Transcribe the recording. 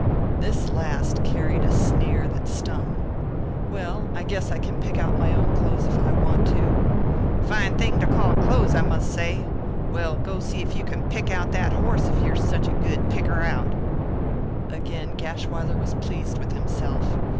This last carried a sneer that stung. "Well, I guess I can pick out my own clothes if I want to." "Fine things to call clothes, I must say. Well, go see if you can pick out that horse if you're such a good picker out." Again Gashwiler was pleased with himself.